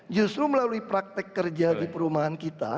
justru melalui praktek kerja di perumahan kita